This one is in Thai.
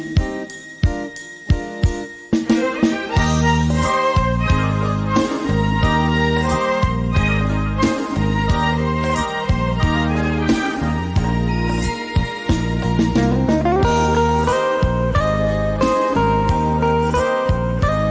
เลขที่นี่เรียก